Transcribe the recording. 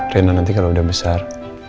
riana nanti kalo udah besar